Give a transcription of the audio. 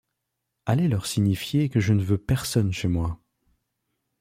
Allez leur signifier que je ne veux personne chez moi.